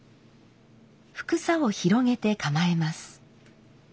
帛紗を広げて構えます。